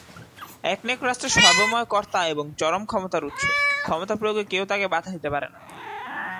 একনায়ক রাষ্ট্রের সর্বময় কর্তা এবং চরম ক্ষমতার উৎস, ক্ষমতা প্রয়োগে কেউ তাকে বাধা দিতে পারে না।